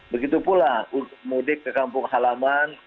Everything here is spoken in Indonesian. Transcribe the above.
begitu pula mudik ke kampung halaman